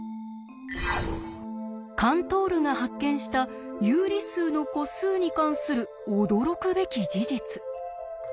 カントールが発見した有理数の個数に関する驚くべき事実。